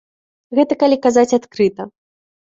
Гэта калі казаць адкрыта.